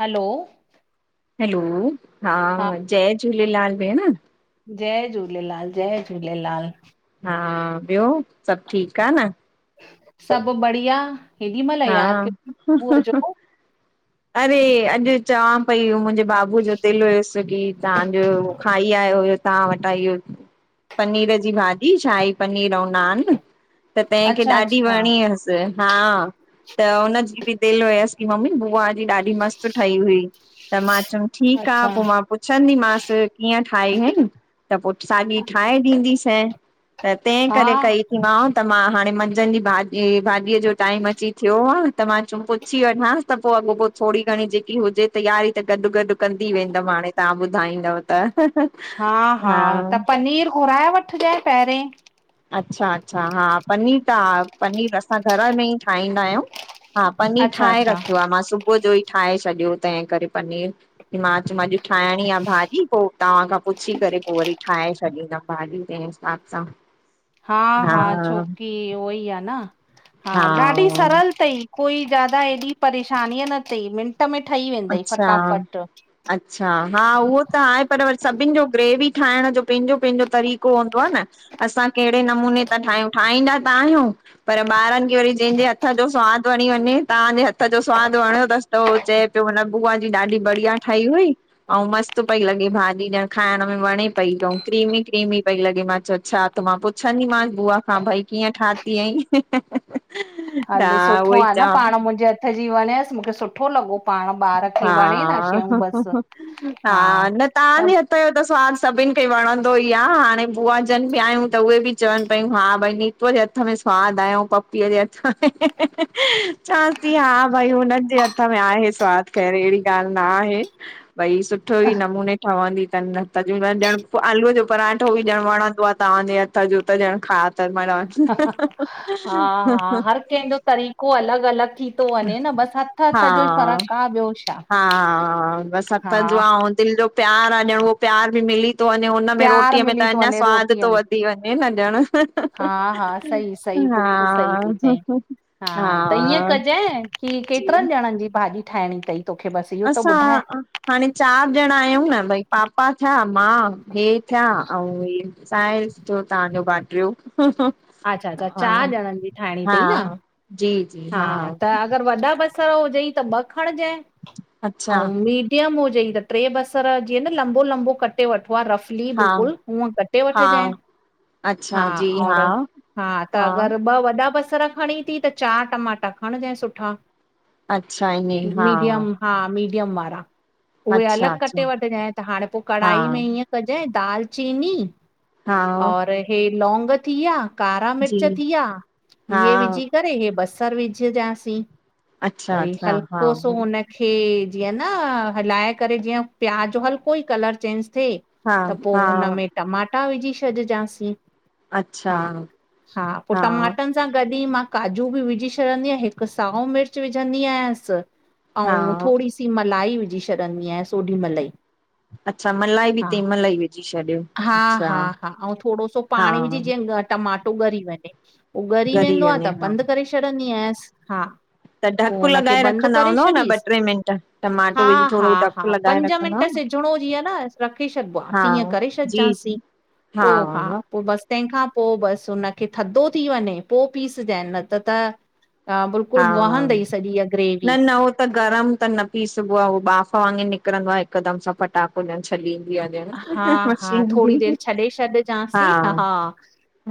हलो। Hello, हा जय झूलेलाल भेण। जय झूलेलाल, जय झूलेलाल। हा, ॿियो सभु ठीकु आ न। सभु बढ़िया। हेॾी महिल हा, यादि कयो अथई सुबुह जो, अरे अॼु चवां पई, मुंहिंजे बाबूअ जो दिल हुयोस की तांजो खाई आयो हुयो तां वटां इहो पनीर जी भाॼी, शाही पनीर अउं नान त तैंखे अच्छा ॾाढी अच्छा। वणी हसि, हा। त हुनजी बि दिल हुयसि की मम्मी बुआ जी ॾाढी मस्तु ठही हुई, त मां चयुम ठीकु आ अच्छा, पो मां पुछंदीमासि कीअं ठाही हईं। त पो साॻी ठाहे ॾींदीसौं, त तंहिं करे हा कई। मांउ त मां हाणे मंझंद जी भाॼी भाॼीअ जो टाइम अची थियो आ, त मां चयूम पुछी वठांस त पो अॻोपो थोरी घणी जेकी हुजे तयारी त गॾु गॾु कंदी वेंदमि हाणे तां ॿुधाईंदव त हहहह हा हा, त पनीर घुराए वठजांइ पेहेरें। अच्छा अच्छा हा, पनीर त हा पनीर असां घर में ई ठाहींदा आहियूं। हा, पनीर अच्छा ठाहे अच्छा, रखियो आ, मां सुबुह जो ई ठाहे छॾियो तंहिं करे पनीर कि मां चमुम अॼु ठाहिणी आ भाॼी पो तव्हां खां पुछी करे पो वरी ठाहे छॾींदमि भाॼी ते पास्ता। हा हा छोकी ऊओई आ न, हा ॾाढी सरल तई। कोई ज्यादा ऐॾी परेशानीअ न थई मिंट में ठही वेंदई, अच्छा फटाफट। अच्छा, हा उहो त आहे, पर वरी सभिनि जो ग्रेवी ठाहिण जो पंहिंजो पंहिंजो तरीक़ो हूंदो आ न। असां केहिड़े नमूने ता ठाहियूं, ठाहींदा त आहियूं। पर ॿारनि खे वरी जंहिंजे हथ जो सवादु वणी वञे, तहांजे हथ जो सवादु वणियो तस उ चए जो हुन बुआ जी ॾाढी बढ़िया ठाही हुई। अउं मस्तु पई लॻे भाॼी ॼणु खाइण में वणे पई क्रीमी क्रीमी पई लॻे, मां चयो छा त मां पुछंदीमसि बुआ खां भई कीअं ठाहतीं अई। हल सुठो आ न पाण मुंहिंजे हथ जी वणिय्स मूंखे सुठो लॻो। पाण ॿार खे हा वणे न शयूं हा, बसि। हा न तांजे हथ हुत्ते जो त स्वादु सभिनि खे वणंदो ई आ, हाणे बुआ जन बि आयूं त उहे बि चवनि पयूं हा भई नी वोई हथ में सवादु आयों पपीअ जे हथ में चवांस्ती हा भई हुन जे हथ हथ में आहे स्वादु ख़ैर अहिड़ी ॻाल्हि न आहे भई सुठो ई नमूने ठहंदी तन। [unintelligible] ॼण आलूअ जो पराठो बि ॼणु वणंदो आहे तव्हांजे हथ जो त ॼण खा त मा [unintelligible] हा हा हर केहिंजो तरीक़ो अलग अलग थी तो वञे न बस हथ हथ जो ई हा फ़र्क आह ॿियो छा हा हा। दिल जो प्यार आ ॼण उहो प्यार बि मिली थो वञे हुनमें प्यार रोटीअ में त मिली थो अञा वञे स्वाद रोटीअ तो में व ॾी वने न ॼण। हा हा सही सही हा बिल्कुल सही ती चई। हा त ईअं कजऐं की जी केतिरन ॼणनि जी भाॼी ठाहिणी तई? असां अ हाणे चारि ॼणा आहियूं न भई पापा थिया मां इहे थिया अउं थ्यो तांव्जो बांटरियो अच्छा अच्छा चारि ॼणनि जी ठाहिणी तई न जी जी हा त अगरि वॾा बसर हुजई त ॿ खणजए अच्छा अउं मी टियम हुजेई त टे बस्सर जीअं न लंबो लंबो कटे वढो आ रफ़ ली हा बिल्कुल हूअ कटे हा वठजए अच्छा जी हा और हा त अगर ॿ वॾा बस्सर खणी ती त चार टमाटा खणजांइ सुठा। अच्छा ईअं हा मीडियम हा मीडियम वारा उहे अच्छा अलग अच्छा कटे वठजए त हाणे पो हा कढ़ाई में हीअं कजंऐ दाल चीनी हा और हे लौंग थी विया कारा जी मिर्च थी विया हा इहे विझी करे हे बस्सर विझजांसीं अच्छा वरी अच्छा हा हलको सो हुन हे जीअं न हलाए करे जीअं प्याज जो हल्को ई कलर चेंज थे हा त पो हा हुन में टमाटा विझी छॾिजांसीं। अच्छा हा हा पो टमाटन सां गॾु ई मां काजू बि विझी छॾंदी आहियां हिक साओ मिर्च विझंदी आयसि। हा अउं थोड़ी सी मलाई विझी छॾदीं आहियां ओॾीमल ही [inaudible] अच्छा मलाई भी ते मलह ही विझी छॾयो हा अच्छा हा हा अऊं थोड़ो सो हा पाणी विझी जीअं ग- टमाटो ॻरी वञे पो ॻरी वेंदो आ वञे त हा बंद करे छॾंदी आयसि हा टम त पो ढक हुनखे लॻाए बंद रखंदा करे हूंदव न छॾीस ॿ टे मिंट टमाटो हा विझी हा थोरो ढकु हा लॻाए पंज रखंदव मिंट सिज न सिजणों जीअं न रखे छॾिबो आ हा तीअं करे जी छॾिजांसीं जी पो हा पो बस तंहिंखा पो बस हुनखे थधो थी वञे पो पीसजए न त त हा बिल्कुल वहंदई सॼी इहा न ग्रेवी न उहो त गरम त न पीसबो आ उ ॿाफ वांगे निकरंदो आ हिकदम सा फट फटाको ॾण छॾीन्दी आ हा ॾण हा मशीन भी थोड़ी देरि छॾे हा छॾिजांसि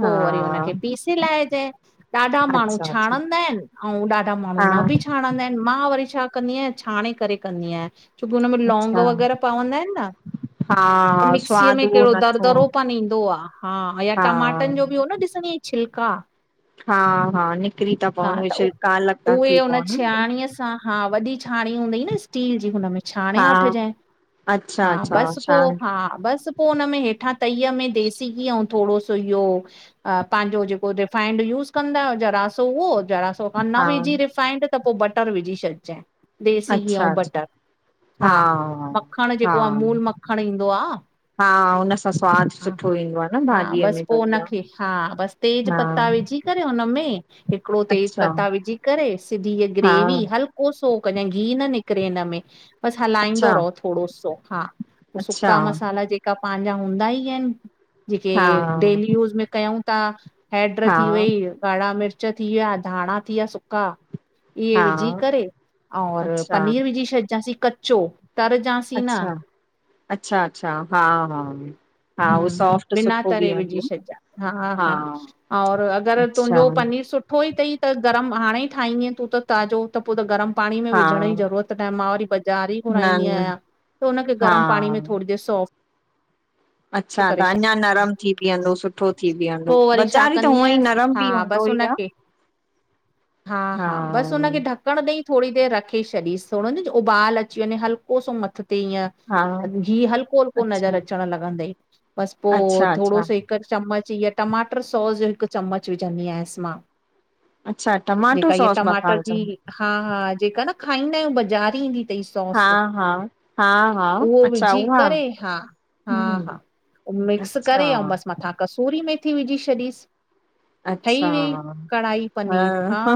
पो वरी हुनखे पीसे लाइजांय ॾाढा माण्हूं अच्छा अच्छा छाणंदा आहिन। अउं ॾाढा माण्हूं हा न बि छाणंदा आहिन मां वरी छा कंदी आहियां छाणें करे कंदी आहियां छो कि हुनमें लौंग अच्छा वग़ैरह पवंदा आहिन न त हा मिक्सीअ स्वाद में उहो कहिड़ो नथो दरदरोपन ईंदो आ हा या टमाटन जो बि हो न ॾिसंदी अई। छिलका हा-हा निकिरी ता हा पवन उहे त उ- छिल्का अलग ता उहे थी हुन पवन। छाणीअ सां हा वॾी छाणी हूंदई न स्टील जी हुनमें छाणें हा वठजए अच्छा हा अच्छा बस छाण हा बस पो हुन में हेठां तईअ में देसी घी ऐं थोडो सो इहो अ पंहिंजो जेको रिफाइंड यूस कंदा आहियो जरासो उहो जरासो पो न हा विझी रिफाइंड त पो बटर विझी छॾिजए। देसी घी अच्छा अउं अच्छा बटर हा मखण हा जेको आ अमूल मखण ईंदो आ हा हुन सां स्वाद सुठो ईंदो आ न भाॼीअ में त उन खे हा बस तेज़ पत्ता विझी करे हुनमें हिकड़ो तेज़ अच्छा पत्ता विझी करे सिधी हीअ हा ग्रेवी हल्क को सो हो कजए घी न निकरे हिनमें बस हलाईंदो अच्छा रहो थोडो सो हा पो अच्छा सुका मसाला जेका पांजा हूंदा ई आहिन। जेके हा डेली यूज़ में कयऊं ता हैड्र हा थी वई ॻाढ़ा मिर्च मिर्च थी विया धाणा थी विया सुका इहे हा विझी करे और अच्छा पनीर विझी छॾजांसी कच्चो तर जांइस अचछा, अच्छा, अच्छा हा-हा हम्म बिना तरे विझी छॾजा हा हा-हा। और अगर अच्छा तुंहिंजो पनीर सुठो ई तई त गरम हाणें ई ठाहींदीअ तूं त ताज़ो त पो त गरम पाणी में हा विझण जी ज़रूरत न आहे मां वरी बज़ारि ई न घुराईंदी न आहियां त हुनखे हा गरम पाणी में थोड़ी देर सोफ [inaudible] अच्छा त अञा नरम थी बीहंदो सुठो थी बीहंदो पोइ वरी छा बज़ारि त कंदी हूअं ई आयसि नरम बीह दोई आ हा हा-हा बस हुन खे ढक ढकड़ ॾेई थोडी देर रखी छॾीस न उबाल अची वञे हल्को सो मथ ते ईय हा घी हलको हलको नज़र अच्छा अचण लॻंदई बस पो अच्छा थोडो अच्छा सो ही हिक चम्मच हिय टमाटर सॉस हिक चम्मच विझंदी आयसि मां अच्छा टमाटो जेका इहा सॉस मथां टमाटर जी विझंदा हा-हा जेका न खाईंदा आहियूं बज़ारि ईंदी तई हा सॉस हा हा हा उहो अच्छा विझी उहा करे हा हम्म हा-हा मिक्स अच्छा करे बस मथा कसूरी मेथी विझी छॾीस अचछा ह पनीर हा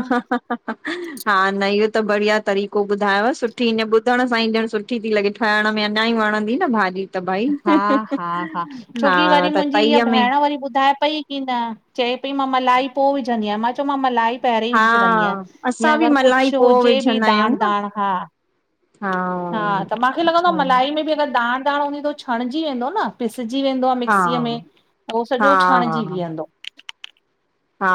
हा न इहो त बढ़िया तरीक़ो ॿुधायाव सुठी नं ॿुधण सां ई ॼण सुठी थी लॻे खाएण में अञा ई वणंदी न भाॼी त भई हा हा हा हा छोकी वरी त मुंहिंजी हीअ तईअ में भेण वरी ॿुधाए पई। की चए पई मां मलाई पो विझंदी आहियां मां चयोम मां मलाई पहिरई हा विझी छॾंदी आहियां असां या बि अगर मलाई कुछ पोइ हुजे भी विझंदा आहियूं दाण न दाण हा। हा त माखे खे लॻंदो आहे अच्छा मलाई में बि अगर दाण दाण हूंदी त हु छणजी वेंदो न। पिसजी वेंदो आहे हा मिक्सीअ में त उहो हा सॼो छाणिजी हा बीहंदो। हा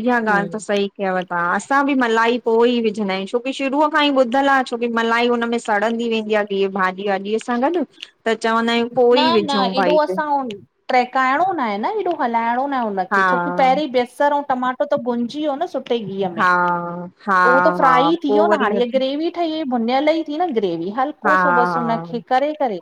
इहा ॻाल्हि त सही कयव था असां बि मलाई पो ई विझंदा आहियूं छोकी शुरूअ खां ई ॿुधल आ छोकी मलाई हुन में सड़ंदी वेंदी आहे की भाॼी वाॼीअ सां गॾ त चवंदा आहियूं पो ई विझूं भाई ट्रेकाइणो ना आहे न हे एॾो हलाइणो न आहे हुनखे छोकी हा पहिरीं बसर ऐं टमाटो भुनजी वयो न सुठे घीय में हा हा तो हु त हा फ्राई थी पो वियो न वरी हाण वधी ग्रेवी त हिय भुनियल ई थी न ग्रेवी हा हल्को सो बस हुनखे करे करे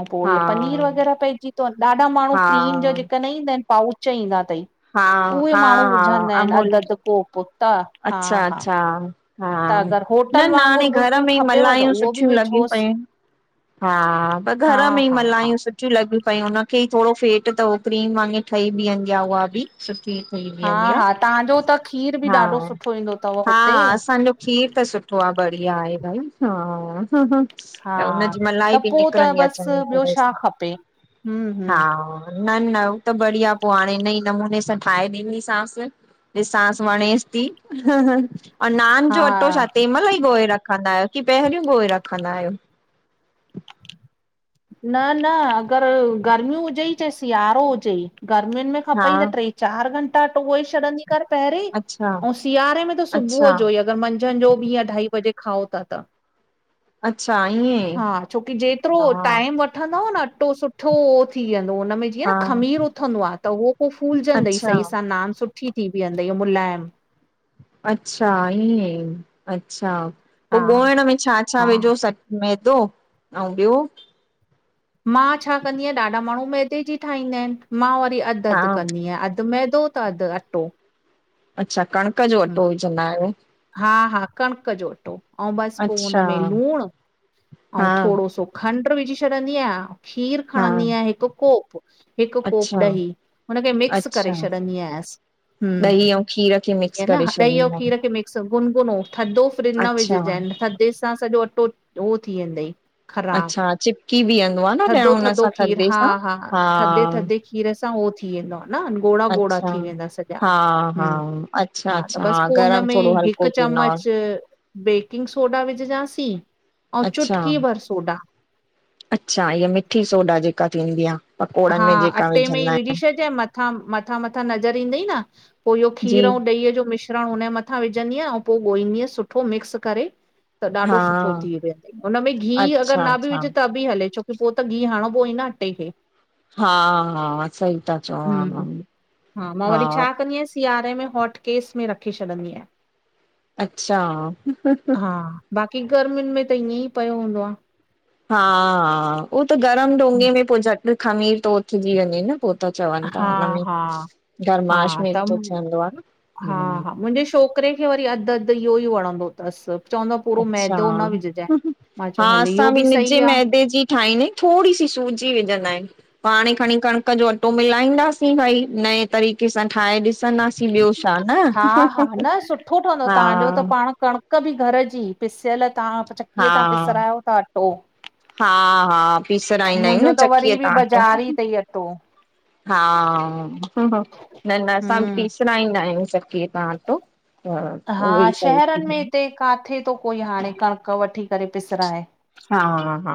ऐं पो हा इह पनीर वग़ैरह पइजी अ ॾाढा माण्हू हा क्रीम जा जेका न ईंदा आहिन पाउच ईंदा तई हा उहे हा माण्हू हा विझंदा आहिन अध अमूल अध जो कोप त हा अच्छा हा अच्छा हा त अगर न होटल न हाणे वांगुरु घर बिल्कुल में ई खपेव त मलायूं उहो बि सुठियूं लॻियूं विझोसि। पयूं हा पर हा घर में ई हा हा मल्हायूं सु ठी लॻिय पयूं हुनखे थोरो फेट त क्रीम वांङे ठही बीहंदि उहा बि। सुठी थीही हा बीहंदी आ हा तव्हांजो त खीर बि हा ॾाढो सुठो ईंदो अथव हा हुते हा असांजो खीर त सुठो आ बढ़िया आहे भई हा हा त हुनजी मलाई त बि पो त निकिरंदी आ बस चङी ॿियो तरह सां छा खपे, हम्म हा हम्म। न न हूं त बढ़िया पो हाणे इनई नमूने सां ठाहे ॾींदीसासं। ॾिसासि वणेस ती। ऐं नान जो अटो हा छा तंहिं महिल ही ॻोए रखंदा आहियो की पहिरियुई ॻोहे रखंदा आहियो? न न अगर गर्मी हुजे चाहे सिआरो हुजे गर्मीनि में हा खपई त ट्रे चार घंटा अटो ॻोहे छॾंदी कर पहिंरी अच्छा अउ सियारे में त सुबुह अच्छा जो ही जिअं मंझ मंझंनि जो ॿी अढाई बजे खाओ था त। अच्छा ईअं हा छोकी जेतिरो हा टाइम वठंदव न अटो सुठो थी वेंदो उन में जीअं न हा खमीर उथंदो आ त उहो पो फूलजंदई अच्छा सई सां नान सुठी थी बीहंदई अउ मुलायम। अच्छा ईअं अच्छा पो हा ॻोइण में छा- छा हा विझो मैदो अउ ॿियो? मां छा कंदी आहियां ॾाढा माण्हू मैदे जी ठाहींदा आहिनि मां वरी अधु हा अधु कंदी आहियां अधु अधु मैदो त अधु अटो। अच्छा कणिक जो हूं अटो विझंदा आहियो? हा हा कणिक जो अटो अउ बस पो अच्छा हुन में लूणु अउ हा थोरो सो खंड्र विझी छॾींदी आहियां खीर हा खणंदी आहियां हिकु कोप। हिकु कोप अच्छा ॾही हुनखे मिक्स अच्छा करे छॾींदी आयसि। हम्म ॾही ऐं खीर खे मिक्स हेन करे ॾही ओर छॾींदा आहिनि खीर खे मिक्स गुनगुनो थधो फ्रिज न अच्छा विझंजे थधे सां सॼो अटो उहो थी वेंदई। ख़राब अच्छा चिपकी बीहंदो आहे न ॼणु थधो हुन थधो सां खीर थधे हा सां हा ह थधे थधे खीर खीर सां हो थी वेंदो आ न ॻोड़ा ॻोड़ा अच्छा थी वेंदा सॼा हा हा अच्छा हा त अच्छा बस पो उन गरम में थोरो हिक हल्को थींदो आहे चम्मच बेकिंग सोडा विझजांसीं अउ अच्छा चुटकी भर सोडा। अच्छा इअ मिठी सोडा जेका थींदी आ। हा अटे में ई विझी छॾजे म मथां मथां नज़र ईंदई न पो इहो जी खीर अउ ॾही जो मिश्र मिश्रण उन ऐ मथां विझंदीयां ऐं पो ॻोहींदीअस सुठो मिक्स करे। त ॾाढो हा सुठो थी वेंदई उन में घीहु अगर अच्छा न बि अच्छा विझ त बि हले छोकी पो त घिहु हणबो ही न अटे खे। हा हा सही त हम्म, हा मां वरी छा कंदी आहियां सिआरे में हॉटकेस में रखी छॾींदी आहियां। अच्छा! हा, बाक़ी गर्मियुनि में त ईअं ई पयो हूंदो आ। हा- हा ओत गरम डोंगे में पो झट खमीर थो उथजी वञे न। पो त चवनि था हा उनमें हा हा गरमाश में त म- ठवंदो आ न। हा हम्म हा मुंहिंजे छोकिरे खे वरी अधु अधु इहो ही वणंदो तसि। अच्छा मां हा चयो हल असां इहो बि सही निजे आहे मैदे जी ठाहींदा आहियूं थोरी सी सूजी विझंदा आहियु। पाण ही खणी कणिक जो अटो मिलाईंदासीं भाई नए तरीक़े सां ठाहे ॾिस ॾिसन्दासी ॿियो छा न, हा हा हा। कभी घर जी पिसियल तव्हां चकीअ हा तां पिसरायो था अटो। हा हा पीसराईंदा आहियूं मुंहिंजो न त चकीअ वरी बि तां अटो। बाज़ारी अथई अटो हा न न असां बि हम्म पीसराईंदा आहियूं चक्की हा शहरन थींदो में हिते काथे त कोई हाणे कणक वठी करे पिसराए। हा हा,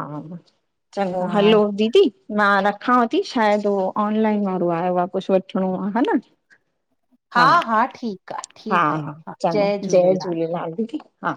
चङो हा हलो दीदी मां रखांव थी, शायद उहो ऑनलाइन वारो आयो आ, कुछ वठणो आ, हा न। हा हा, हा चङो, जय झूलेलाल दीदी, हा।